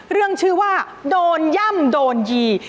เรื่องชื่อว่าโดนย่ำโดนยี